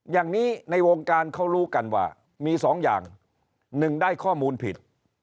อย่างนี้ในวงการเขารู้กันว่ามีสองอย่างหนึ่งได้ข้อมูลผิด